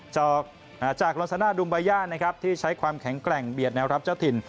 จากลอนซาน่าดุมบาย่านะครับที่ใช้ความแข็งแกร่งเบียดแนวรับเจ้าถิ่น